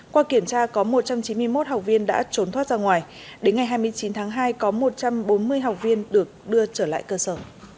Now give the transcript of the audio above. qua kiểm tra có một trăm chín mươi một học viên đã trốn thoát ra ngoài đến ngày hai mươi chín tháng hai có một trăm bốn mươi học viên được đưa trở lại cơ sở